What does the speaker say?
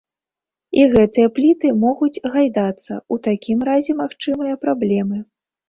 І гэтыя пліты могуць гайдацца, у такім разе магчымыя праблемы.